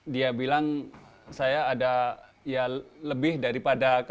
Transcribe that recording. dengan ilmu juga saya punya lebih dari yang dulu